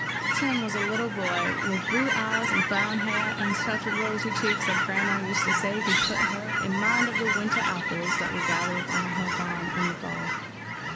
Tim was a little boy with blue eyes, brown hair, and such rosy cheeks that grandma used to say he put her in mind of the winter apples that were gathered on her farm in the fall.